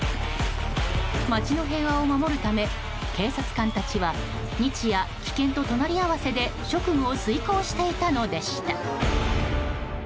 街の平和を守るため警察官たちは日夜、危険と隣り合わせで職務を遂行していたのでした。